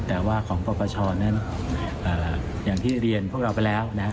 แต่ว่าของปปชนั้นอย่างที่เรียนพวกเราไปแล้วนะ